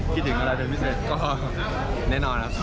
คิดถึงอะไรเติมติด